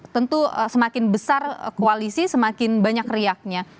tentu semakin besar koalisi semakin banyak riaknya